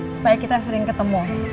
supaya kita sering ketemu